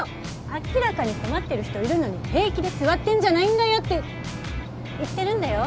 明らかに困ってる人いるのに平気で座ってんじゃないんだよって言ってるんだよ。